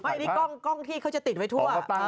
อันนี้กล้องที่เขาจะติดไว้ทั่ว